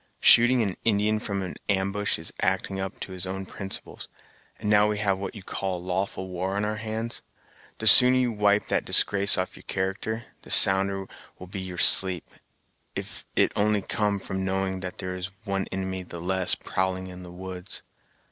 Shooting an Indian from an ambush is acting up to his own principles, and now we have what you call a lawful war on our hands, the sooner you wipe that disgrace off your character, the sounder will be your sleep; if it only come from knowing there is one inimy the less prowling in the woods.